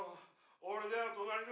・俺だよ隣の。